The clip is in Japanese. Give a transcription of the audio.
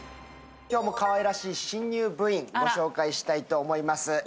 今日もかわいらしい新入部員、ご紹介したいと思います。